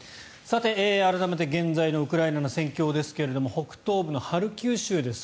改めて現在のウクライナの戦況ですが北東部のハルキウ州です。